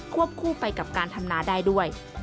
คู่ไปกับการทำนาได้ด้วย